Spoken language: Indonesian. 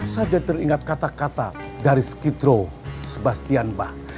saya teringat kata kata dari skid row sebastian bach